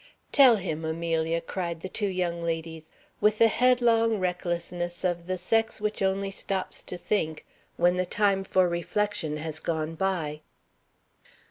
"Tell him, Amelia!" cried the two young ladies, with the headlong recklessness of the sex which only stops to think when the time for reflection has gone by.